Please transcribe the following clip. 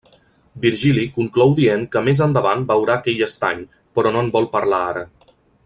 Virgili conclou dient que més endavant veurà aquell estany, però no en vol parlar ara.